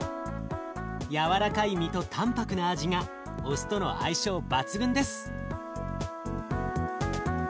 軟らかい身と淡泊な味がお酢との相性抜群です。